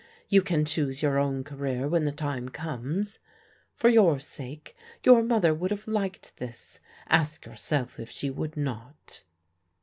You can choose your own career when the time comes. For your sake your mother would have liked this: ask yourself if she would not."